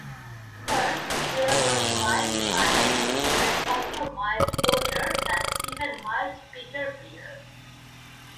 Thus there was Mild Ale but also Mild Porter and even Mild Bitter Beer.